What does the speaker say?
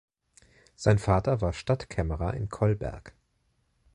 Sein Vater war Stadtkämmerer in Kolberg.